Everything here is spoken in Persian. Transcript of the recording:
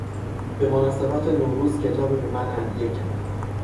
به مناسبت نوروز کتابی به من هدیه کرد.